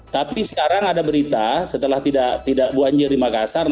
tapi sekarang ada berita setelah tidak banjir di makassar